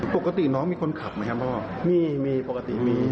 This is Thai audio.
ปกติน้องมีคนขับอย่างไรมาเพราะมีมีปกติมี